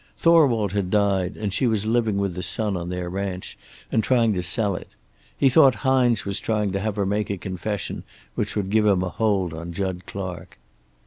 Thorwald had died, and she was living with the son on their ranch and trying to sell it. He thought Hines was trying to have her make a confession which would give him a hold on Jud Clark.